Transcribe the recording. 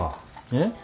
えっ？